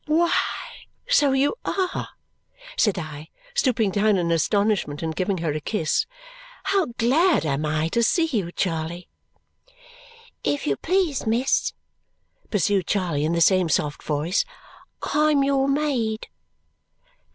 "Why, so you are," said I, stooping down in astonishment and giving her a kiss. "How glad am I to see you, Charley!" "If you please, miss," pursued Charley in the same soft voice, "I'm your maid."